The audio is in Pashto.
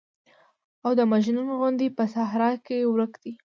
او د مجنون غوندې په صحرا کې ورک دى.